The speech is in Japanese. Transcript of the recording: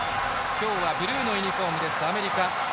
今日はブルーのユニフォームですアメリカ。